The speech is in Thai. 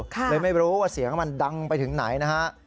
เลยไม่รู้ว่าเสียงมันดังไปถึงไหนนะฮะ